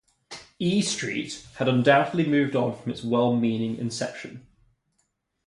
"E Street" had undoubtedly moved on from its well-meaning inception.